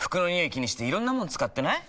気にしていろんなもの使ってない？